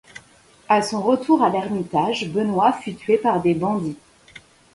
À son retour à l'ermitage, Benoît fut tué par des bandits.